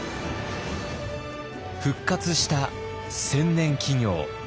復活した千年企業。